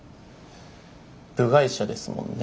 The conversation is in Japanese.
部外者ですもんね。